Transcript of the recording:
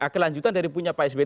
kelanjutan dari punya pak sby